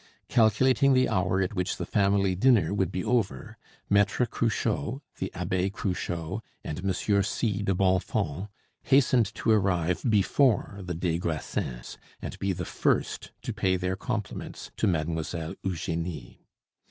Calculating the hour at which the family dinner would be over, Maitre Cruchot, the Abbe Cruchot, and Monsieur C. de Bonfons hastened to arrive before the des Grassins, and be the first to pay their compliments to Mademoiselle Eugenie.